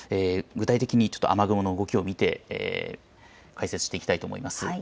具体的に雨雲の動き、見て解説していきたいと思います。